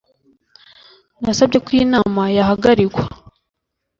Nasabye ko inama yahagarikwa.